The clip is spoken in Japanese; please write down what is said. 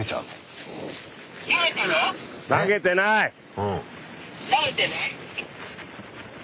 うん。